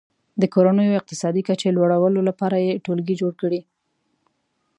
د کورنیو د اقتصادي کچې لوړولو لپاره یې ټولګي جوړ کړي.